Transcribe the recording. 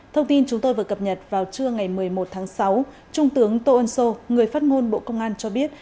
thông tin chúng tôi vừa cập nhật vào trưa ngày một mươi một tháng sáu trung tướng tô ân sô người phát ngôn bộ công an cho biết